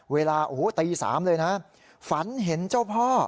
เวลาโอ้โหตี๓เลยนะฝันเห็นเจ้าพ่อ